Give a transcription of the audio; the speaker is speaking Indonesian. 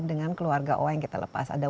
dengan keluarga oh yang kita lepas ada